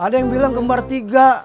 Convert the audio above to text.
ada yang bilang kembar tiga